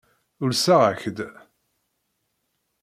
Ulseɣ-ak-d.